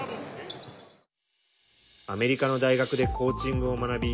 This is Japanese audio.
アメリカの大学でコーチングを学び